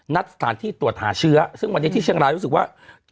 สถานที่ตรวจหาเชื้อซึ่งวันนี้ที่เชียงรายรู้สึกว่า